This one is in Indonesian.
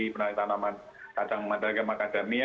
penanaman kadang kadang makadamia